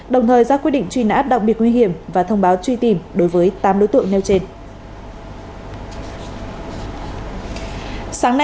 đồng thời ra quyết định truy nã đặc biệt nguy hiểm và thông báo truy tìm đối với tám đối tượng nêu trên